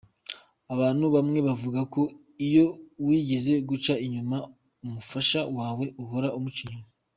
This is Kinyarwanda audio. Abantu bamwe bavuga ko iyo wigize guca inyuma umufasha wawe uhora umuca inyuma.